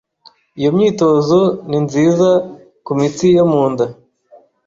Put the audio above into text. Iyo myitozo ni nziza kumitsi yo munda.